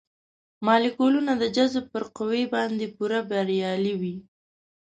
مالیکولونه د جذب پر قوې باندې پوره بریالي وي.